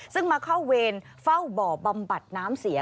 ซึ่งมาเข้าเวรเฝ้าบ่อบำบัดน้ำเสีย